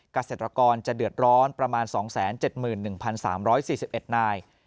เกษตรกรจะเดือดร้อนประมาณ๒๗๑๓๔๑นาย